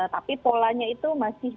tapi polanya itu masih